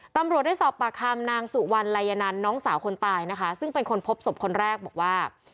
ตำรวจได้สอบปากคำนางสุวรรณไลนันน้องสาวคนตายนะคะซึ่งเป็นคนพบศพคนแรกบอกว่า